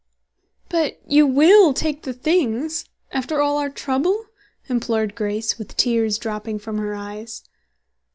"But you will take the things, after all our trouble?" implored Grace, with tears dropping from her eyes.